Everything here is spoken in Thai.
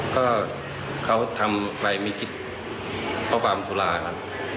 ก็เขาทำไปไม่คิดเพราะความสุรากัน